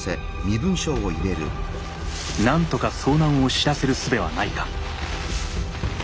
なんとか遭難を知らせるすべはないか。